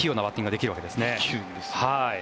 できるんです。